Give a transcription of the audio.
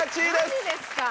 マジですか。